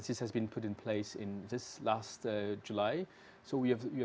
dengan pemerintah perintah eropa